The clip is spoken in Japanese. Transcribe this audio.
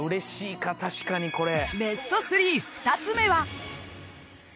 ［ベスト３２つ目は］